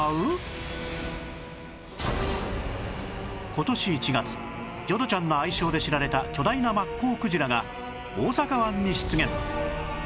今年１月「淀ちゃん」の愛称で知られた巨大なマッコウクジラが大阪湾に出現